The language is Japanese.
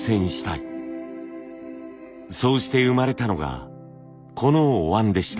そうして生まれたのがこのお椀でした。